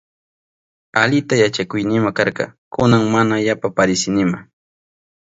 Alita yachakuynima karka, kunan mana yapa parisinima.